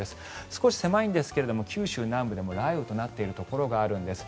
少し狭いんですが九州南部でも雷雨となっているところがあるんです。